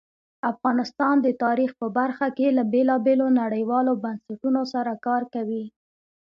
افغانستان د تاریخ په برخه کې له بېلابېلو نړیوالو بنسټونو سره کار کوي.